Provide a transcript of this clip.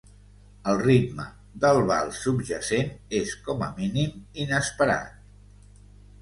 El ritme del vals subjacent és, com a mínim, inesperat.